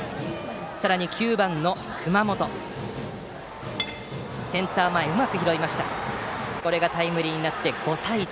さらに９番、熊本がセンター前へうまく拾いましてこれがタイムリーで５対１。